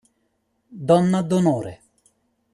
Donna d'onore